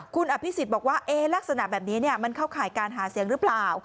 คุณอภิษฎบอกว่าลักษณะแบบนี้มันเข้าข่ายการหาเสียงหรือเปล่า